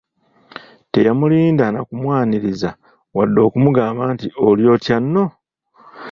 Teyamulinda na kumwaniriza, wadde okumugamba nti, “Oliyo otya nno?"